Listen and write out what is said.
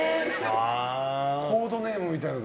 コードネームみたいので。